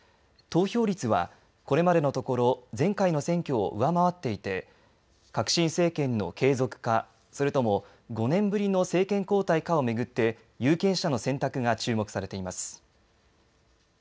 投票率はこれまでのところ前回の選挙を上回っていて革新政権の継続かそれとも５年ぶりの政権交代かを巡って有権者の選択が注目されています。